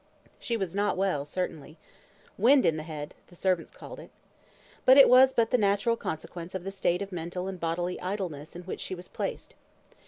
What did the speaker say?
She was not well, certainly. "Wind in the head," the servants called it. But it was but the natural consequence of the state of mental and bodily idleness in which she was placed.